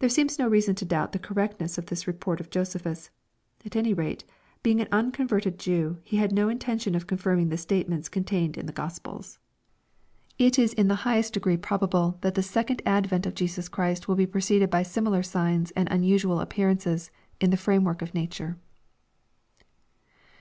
There seems no reason to doubt the correctness of this report of Josephus. At any rate, being an unconverted Je^v, he had no intention of confirming the statements contained in the Gos pelft 866 EXPOSITORY THOUGHTS. It is in the highest degree probable that the second advent of Jesus Christ will be precei!ed by similar signs and unusual appear ances in the framework of nature.